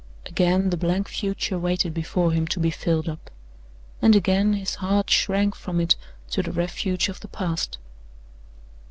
Again the blank future waited before him to be filled up; and again his heart shrank from it to the refuge of the past.